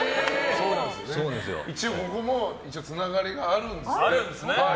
一応ここもつながりがあるんです。